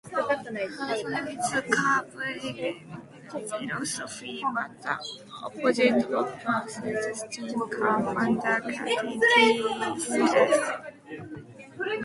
Hansen's carbuilding philosophy was the opposite of Pressed Steel Car founder Charles T. Schoen's.